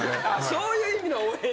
そういう意味の「応援しない」ね。